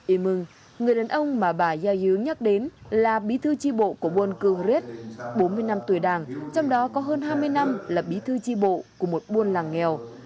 y mưng người đàn ông mà bà yai yứ nhắc đến là bí thư tri bộ của buôn cư hờ riết bốn mươi năm tuổi đảng trong đó có hơn hai mươi năm là bí thư tri bộ của một buôn làng nghèo